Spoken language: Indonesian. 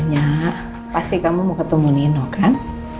ya pasti kamu mau ketemu nino kan